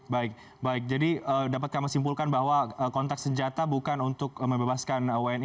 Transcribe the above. baik baik jadi dapatkah saya simpulkan bahwa kontak senjata bukan untuk mebebaskan